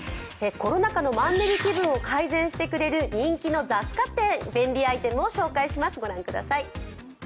コロナ禍のマンネリ気分を解消してくれる人気の雑貨店、便利アイテムを紹介します。